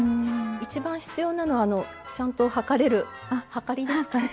一番必要なのはあのちゃんと量れるはかりですかね。